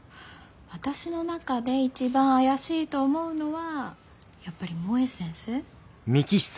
私の中で一番怪しいと思うのはやっぱり萌先生。